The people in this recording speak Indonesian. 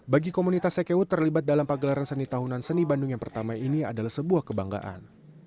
bagi komunitas sekewut terlibat dalam pagelaran seni tahunan seni bandung yang pertama ini adalah sebuah kebanggaan